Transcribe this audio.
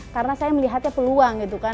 karena saya melihatnya peluang gitu kan